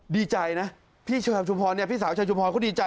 ดีใจนะพี่ชมพรพี่สาวชมพรก็ดีใจ